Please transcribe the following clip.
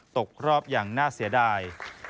ตกรอบอย่างน่าเสียดาย